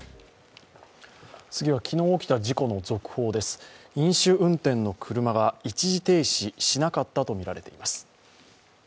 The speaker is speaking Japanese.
次は、昨日起きた事故の続報です飲酒運転の車が一時停止しなかったとみられています。